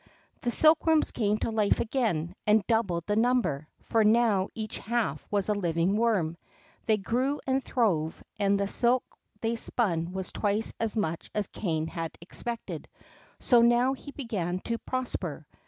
The silkworms came to life again, and doubled the number, for now each half was a living worm. They grew and throve, and the silk they spun was twice as much as Kané had expected. So now he began to prosper.